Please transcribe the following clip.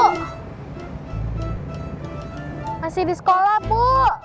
masih di sekolah bu